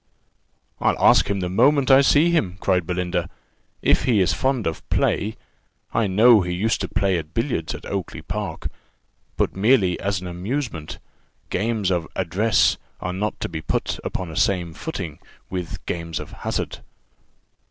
"I'll ask him the moment I see him," cried Belinda, "if he is fond of play: I know he used to play at billiards at Oakly park, but merely as an amusement. Games of address are not to be put upon a footing with games of hazard.